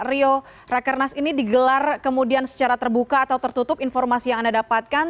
rio rakernas ini digelar kemudian secara terbuka atau tertutup informasi yang anda dapatkan